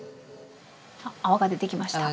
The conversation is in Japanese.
泡が出てきました。